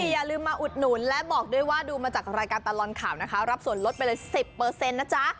อย่าลืมมาอุดหนุนและบอกด้วยว่าดูมาจากรายการตลอดข่าวนะคะรับส่วนลดไปเลย๑๐นะจ๊ะ